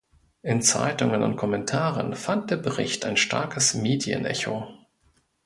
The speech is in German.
In Zeitungen und Kommentaren fand der Bericht ein starkes Medienecho.